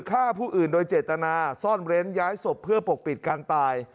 ฆ่าผู้อื่นโดยเจตนาซ่อนเร้นย้ายศพเพื่อปกปิดการตาย